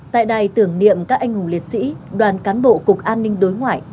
tại đài tưởng niệm các anh hùng liệt sĩ đoàn cán bộ cục an ninh đối ngoại